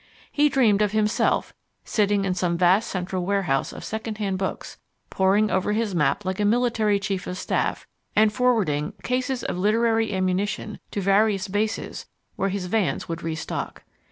He dreamed of himself, sitting in some vast central warehouse of second hand books, poring over his map like a military chief of staff and forwarding cases of literary ammunition to various bases where his vans would re stock.